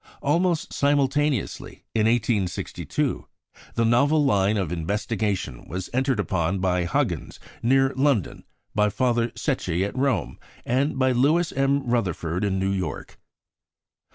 Almost simultaneously, in 1862, the novel line of investigation was entered upon by Huggins near London, by Father Secchi at Rome, and by Lewis M. Rutherfurd in New York.